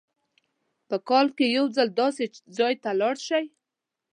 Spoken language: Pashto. په کال کې یو ځل داسې ځای ته لاړ شئ.